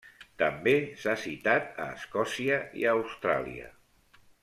També s'ha citat a Escòcia i a Austràlia.